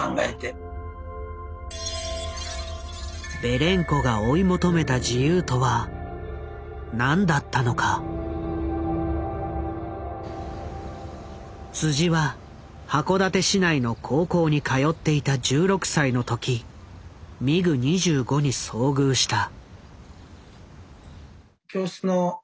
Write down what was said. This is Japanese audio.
ベレンコが追い求めた自由とは何だったのか。は函館市内の高校に通っていた１６歳の時ミグ２５に遭遇した。